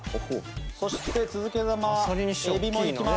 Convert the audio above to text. そして続けざまエビもいきます。